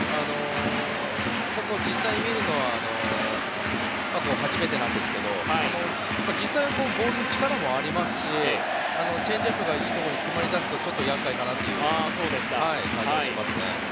実際に見るのは初めてなんですけどボールに力もありますしチェンジアップがいいところに決まりだすとちょっと厄介かなという感じがしますね。